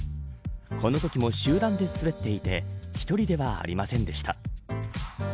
このときも集団で滑っていて１人ではありませんでした。